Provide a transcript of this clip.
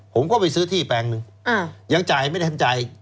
ผมก็ไปซื้อที่แปลงหนึ่งยังจ่ายไม่ได้ทำจ่าย